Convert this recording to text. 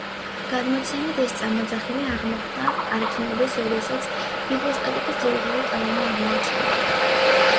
გადმოცემით, ეს წამოძახილი აღმოხდა არქიმედეს, როდესაც ჰიდროსტატიკის ძირითადი კანონი აღმოაჩინა.